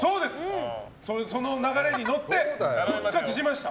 その流れに乗って復活しました！